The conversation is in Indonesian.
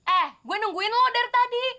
eh gue nungguin lo dari tadi